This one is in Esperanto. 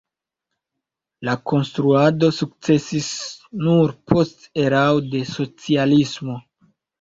La konstruado sukcesis nur post erao de socialismo.